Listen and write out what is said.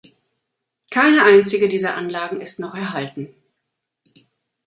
Keine einzige dieser Anlagen ist noch erhalten.